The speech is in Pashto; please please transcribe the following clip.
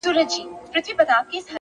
ميسج’